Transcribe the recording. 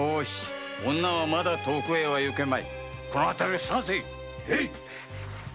女はまだ遠くへは行けまい捜せ！